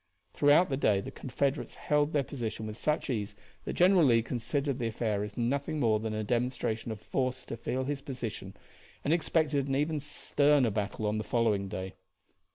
Throughout the day the Confederates held their position with such ease that General Lee considered the affair as nothing more than a demonstration of force to feel his position, and expected an even sterner battle on the following day.